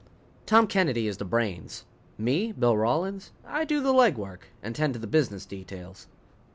Tom Kennedy is the brains. Me, Bill Rawlins, I do the legwork, and tend to the business details.